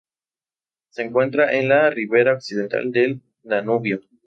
Se encuentra en la ribera occidental del Danubio.